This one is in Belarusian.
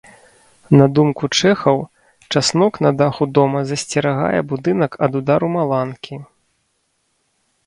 На думку чэхаў, часнок на даху дома засцерагае будынак ад удару маланкі.